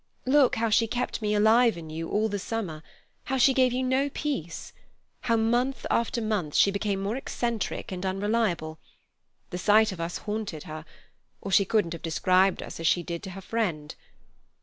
Look how she kept me alive in you all the summer; how she gave you no peace; how month after month she became more eccentric and unreliable. The sight of us haunted her—or she couldn't have described us as she did to her friend.